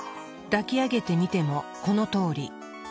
抱き上げてみてもこのとおり。